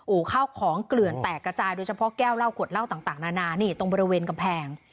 โอ้โหข้าวของเกลื่อนแตกกระจายโดยเฉพาะแก้วเหล้าขวดเหล้าต่างนานานี่ตรงบริเวณกำแพง